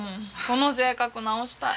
この性格直したい。